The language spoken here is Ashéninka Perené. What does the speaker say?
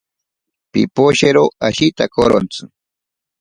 Piposhero ashitakorontsi.